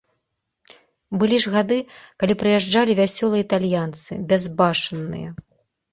Былі ж гады, калі прыязджалі вясёлыя італьянцы, бязбашанныя.